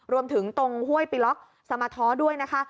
รวมถึงตรงห้วยปิล็อกสมาท้อด้วยนะคะ